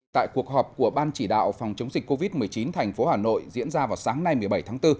tại cuộc họp của ban chỉ đạo phòng chống dịch covid một mươi chín thành phố hà nội diễn ra vào sáng nay một mươi bảy tháng bốn